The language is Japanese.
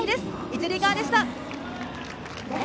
一塁側でした。